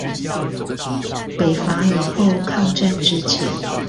北伐以後，抗戰之前